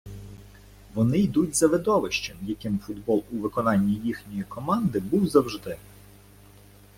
Вони йдуть за видовищем, яким футбол у виконанні їхньої команди був завжди.